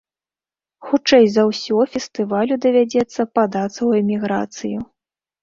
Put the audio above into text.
Хутчэй за ўсё, фестывалю давядзецца падацца ў эміграцыю.